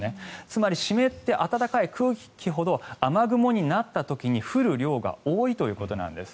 つまり湿って暖かい空気ほど雨雲になった時に降る量が多いということなんです。